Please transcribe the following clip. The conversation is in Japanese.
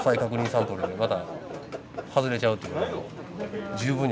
サンプルでまた外れちゃうっていうのは十分にありえるので。